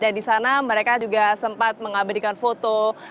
dan disana mereka juga sempat mengabadikan foto